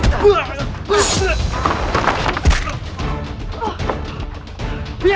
tunggu saya padre